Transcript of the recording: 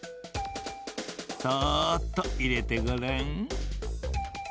そっといれてごらん。